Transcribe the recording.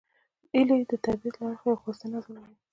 هیلۍ د طبیعت له اړخه یو ښایسته نظم لري